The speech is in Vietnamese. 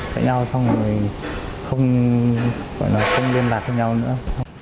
cãi nhau xong rồi không liên lạc với nhau nữa